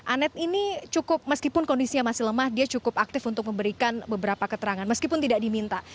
anet ini cukup meskipun kondisinya masih lemah dia cukup aktif untuk memberikan beberapa keterangan meskipun tidak diminta